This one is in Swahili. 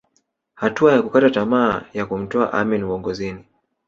Hatua ya kukata tamaa ya kumtoa Amin uongozini